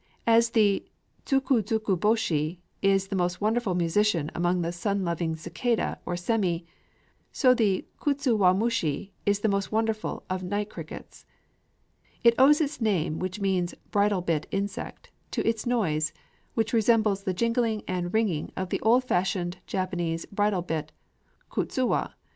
As the tsuku tsuku bōshi is the most wonderful musician among the sun loving cicadæ or semi, so the kutsuwamushi is the most wonderful of night crickets. It owes its name, which means "The Bridle bit Insect," to its noise, which resembles the jingling and ringing of the old fashioned Japanese bridle bit (kutsuwa).